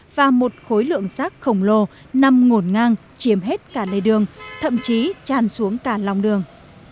và một khối lượng rác khổng lồ nằm ngổn ngang chiếm hết cả lê đường thậm chí tràn xuống cả lòng đường